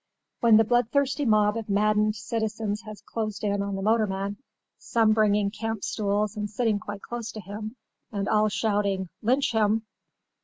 "When the bloodthirsty mob of maddened citizens has closed in on the motorman, some bringing camp stools and sitting quite close to him, and all shouting, 'Lynch him!